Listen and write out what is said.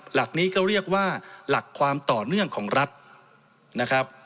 หลักนี้ก็เรียกว่าหลักความต่อเนื่องของรัฐนะครับ